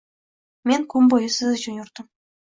Men kun bo‘yi siz uchun yurdim.